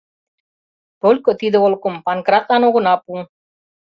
Только тиде олыкым Панкратлан огына пу.